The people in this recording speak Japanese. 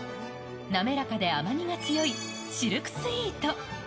滑らかで甘みが強いシルクスイート。